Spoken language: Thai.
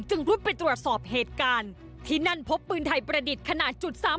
รุดไปตรวจสอบเหตุการณ์ที่นั่นพบปืนไทยประดิษฐ์ขนาด๓๘